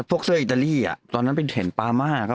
พวกเสื้ออิตาลีตอนนั้นเป็นเฉนปามา